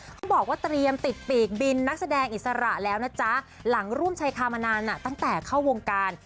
เขาบอกว่าเตรียมติดปีกบินนักแสดงอิสระแล้วนะจ๊ะหลังร่วมชายคามานานตั้งแต่เข้าวงการ